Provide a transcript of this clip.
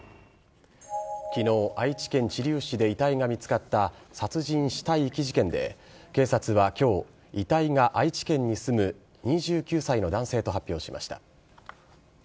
昨日、愛知県知立市で遺体が見つかった殺人・死体遺棄事件で警察は今日遺体が愛知県に住む２９歳の男性と発表しました。